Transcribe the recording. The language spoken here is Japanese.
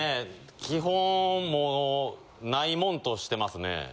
基本もうないもんとしてますね。